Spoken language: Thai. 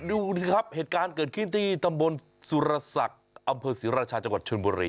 ดูสิครับเห็นที่ครั้งขึ้นที่ตำบลสุรศักดิ์ดอำเมิดศิริราชาจังหวัดชุนบุรณิ